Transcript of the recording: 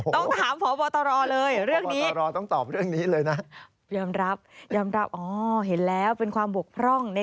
ต้องถามพปตรเลยเรื่องนี้